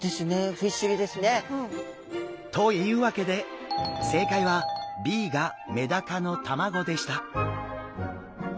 フィッシュギですね。というわけで正解はＢがメダカの卵でした。